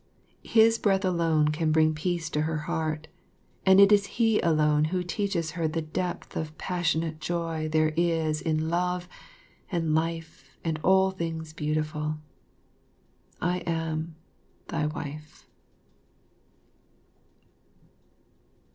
His breath alone can bring peace to her heart, and it is he alone who teaches her the depth of passionate joy there is in love and life and all things beautiful. I am, thy wife.